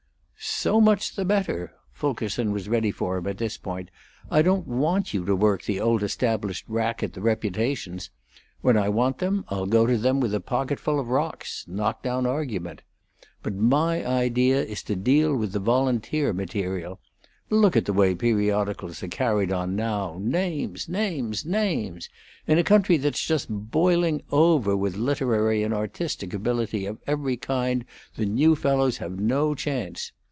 "So much the better!" Fulkerson was ready for him at this point. "I don't want you to work the old established racket the reputations. When I want them I'll go to them with a pocketful of rocks knock down argument. But my idea is to deal with the volunteer material. Look at the way the periodicals are carried on now! Names! names! names! In a country that's just boiling over with literary and artistic ability of every kind the new fellows have no chance.